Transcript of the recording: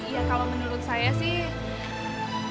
ya kalau menurut saya sih pelajar itu